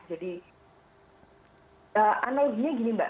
jadi analoginya gini mbak